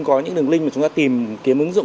có những đường link mà chúng ta tìm kiếm ứng dụng